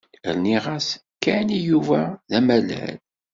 Rniɣ-as Ken i Yuba d amalal.